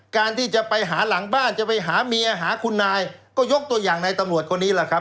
การที่จะไปหาหลังบ้านจะไปหาเมียหาคุณนายก็ยกตัวอย่างในตำรวจคนนี้แหละครับ